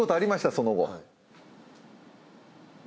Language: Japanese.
その後。